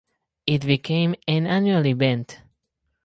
It became an annual event.